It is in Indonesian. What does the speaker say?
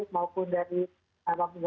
maupun dari bapak ibu bapak